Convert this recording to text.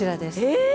え！？